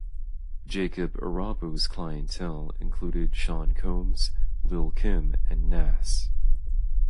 Jacob Arabo's clientele included Sean Combs, Lil' Kim and Nas.